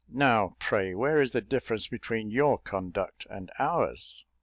Now, pray, where is the difference between your conduct and ours?"